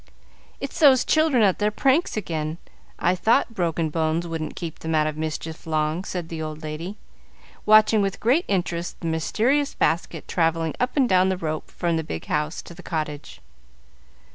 "It's those children at their pranks again. I thought broken bones wouldn't keep them out of mischief long," said the old lady, watching with great interest the mysterious basket travelling up and down the rope from the big house to the cottage.